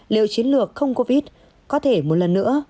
liệu chiến lược không covid có thể một lần nữa